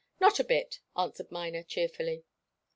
"Not a bit," answered Miner, cheerfully.